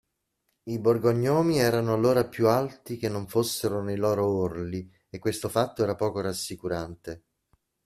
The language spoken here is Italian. I borgognomi erano allora più alti che non fossero nei loro orli e questo fatto era poco rassicurante.